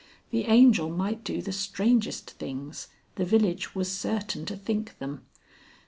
The Angel might do the strangest things, the village was certain to think them.